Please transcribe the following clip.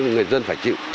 người dân phải chịu